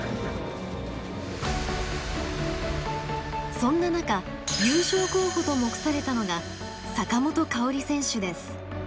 そんな中優勝候補と目されたのが坂本花織選手です。